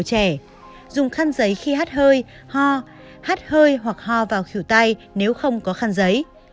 sạch sẽ vệ sinh đồ chơi của trẻ dùng khăn giấy khi hát hơi ho hát hơi hoặc ho vào khỉu tay nếu không có khăn giấy